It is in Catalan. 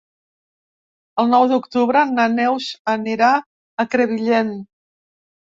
El nou d'octubre na Neus anirà a Crevillent.